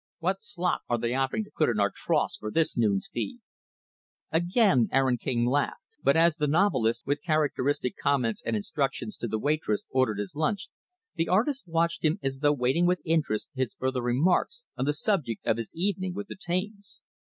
"What slop are they offering to put in our troughs for this noon's feed?" Again, Aaron King laughed. But as the novelist, with characteristic comments and instructions to the waitress, ordered his lunch, the artist watched him as though waiting with interest his further remarks on the subject of his evening with the Taines.